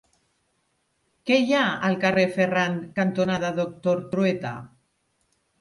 Què hi ha al carrer Ferran cantonada Doctor Trueta?